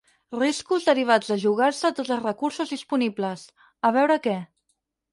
Riscos derivats de jugar-se tots els recursos disponibles, a veure què.